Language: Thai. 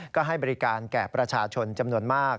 ก็ให้บริการแก่ประชาชนจำนวนมาก